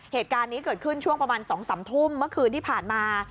เหตุการณ์นี้เกิดขึ้นช่วงประมาณ๒๓ทุ่มเมื่อคืนที่ผ่านมา